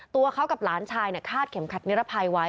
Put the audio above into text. ตัวเขากับหลานชายคาดเข็มขัดนิรภัยไว้